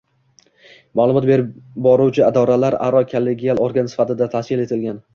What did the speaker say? ma’lumot berib boruvchi idoralararo kollegial organ sifatida tashkil etilgan.